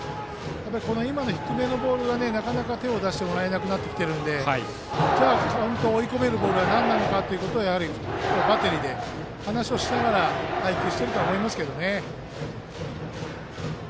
低めのボールになかなか手を出してもらえなくなってきているのでカウント追い込めるボールは何かバッテリーで話をしながら配球していると思います。